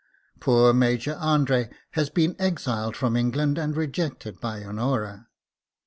Poor Major Andre has been exiled from England and rejected by Honora.